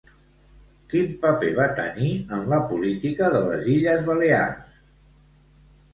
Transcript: Quin paper va tenir en la política de les Illes Balears?